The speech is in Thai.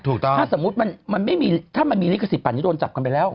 ถูกต้องถ้าสมมุติมันไม่มีถ้ามันมีลิขสิทธิปันนี้โดนจับกันไปแล้ว